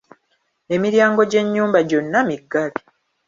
Emiryango gy'ennyumba gyonna miggale.